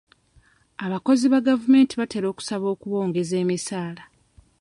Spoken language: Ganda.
Abakozi ba gavumenti batera okusaba okubongeza emisaala.